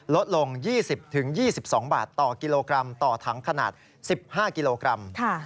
ลดลง๒๐๒๒บาทต่อกิโลกรัมต่อถังขนาด๑๕กิโลกรัม